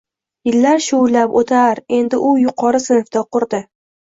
Yillar shuvillab o`tar, endi u yuqori sinfda o`qirdi